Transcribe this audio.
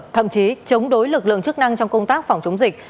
thậm chí chống đối lực lượng chức năng trong công tác phòng chống dịch